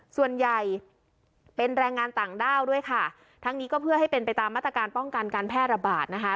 ส่วนใหญ่เป็นแรงงานต่างด้าวด้วยค่ะทั้งนี้ก็เพื่อให้เป็นไปตามมาตรการป้องกันการแพร่ระบาดนะคะ